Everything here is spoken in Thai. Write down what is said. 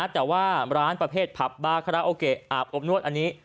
แต่ว่าร้านประเภทผับบาคาราโอเกะอาบอบนวดอันนี้